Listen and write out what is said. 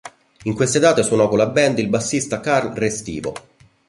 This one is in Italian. In queste date suonò con la band il bassista Carl Restivo.